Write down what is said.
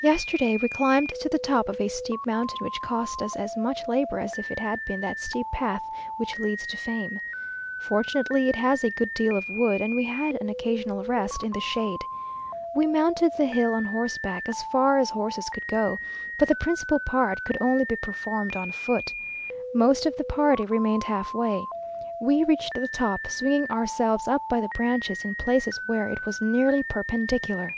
Yesterday, we climbed to the top of a steep mountain, which cost us as much labour as if it had been that steep path which "leads to fame." Fortunately, it has a good deal of wood, and we had an occasional rest in the shade. We mounted the hill on horseback as far as horses could go, but the principal part could only be performed on foot. Most of the party remained half way. We reached the top, swinging ourselves up by the branches, in places where it was nearly perpendicular.